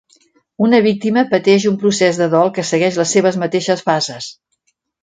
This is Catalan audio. Una víctima pateix un procés de dol que segueix les seves mateixes fases.